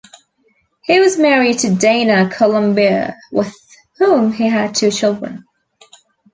He was married to Dana Colombier, with whom he had two children.